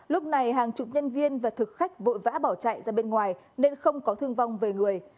lúc này hàng chục nhân viên và thực khách vội vã bỏ chạy ra bên ngoài nên không có thương vong về người